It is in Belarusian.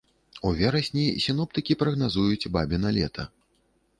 У верасні сіноптыкі прагназуюць бабіна лета.